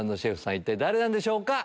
一体誰なんでしょうか？